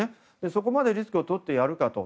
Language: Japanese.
そこまでリスクをとってやるかと。